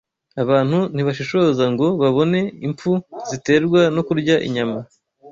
Abantu ntibashishoza ngo babone impfu ziterwa no kurya inyama